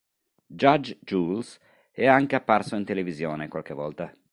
Judge Jules è anche apparso in televisione qualche volta.